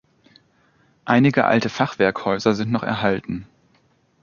Einige alte Fachwerkhäuser sind noch erhalten.